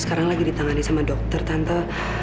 sekarang lagi ditangani sama dokter tanto